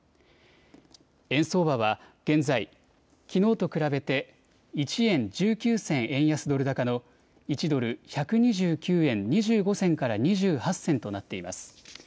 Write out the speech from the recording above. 円相場は現在、きのうと比べて１円１９銭円安ドル高の１ドル１２９円２５銭から２８銭となっています。